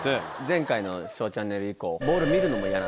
前回の『ＳＨＯＷチャンネル』以降。